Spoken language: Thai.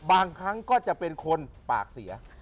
บางครั้งก็จะเป็นคนปากเสีย